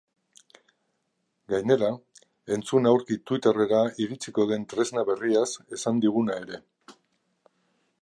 Gainera, entzun aurki twitter-era iritsiko den tresna berriaz esan diguna ere.